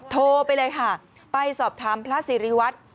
โทรไปเลยค่ะไปสอบทำภาษีรีวัด